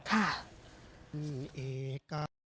ครับ